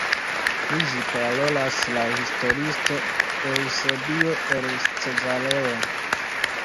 Pri ĝi parolas la historiisto Eŭsebio el Cezareo.